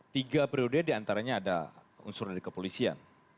tiga periode diantaranya ada unsur dari kepolisian